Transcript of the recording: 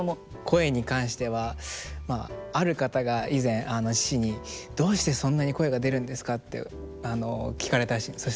声に関してはある方が以前父に「どうしてそんなに声が出るんですか？」って聞かれたらしいんです。